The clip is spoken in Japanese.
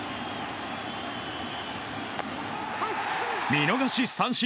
見逃し三振。